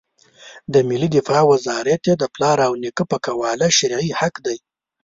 د ملي دفاع وزارت یې د پلار او نیکه په قواله شرعي حق دی.